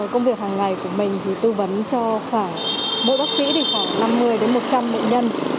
công việc hàng ngày của mình thì tư vấn cho mỗi bác sĩ khoảng năm mươi một trăm linh bệnh nhân